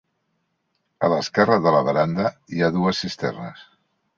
A l'esquerra de la veranda hi ha dues cisternes.